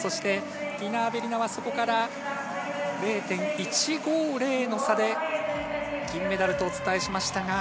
ディナ・アベリナはそこから０．１５０の差で銀メダルとお伝えしましたい。